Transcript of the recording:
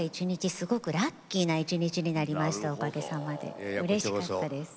すごくラッキーな一日になりましたおかげさまでうれしかったです。